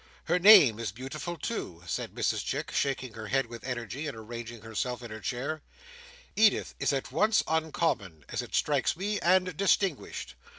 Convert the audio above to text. Her name is beautiful too," said Mrs Chick, shaking her head with energy, and arranging herself in her chair; "Edith is at once uncommon, as it strikes me, and distinguished.